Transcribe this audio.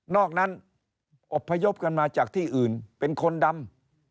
อกนั้นอบพยพกันมาจากที่อื่นเป็นคนดำ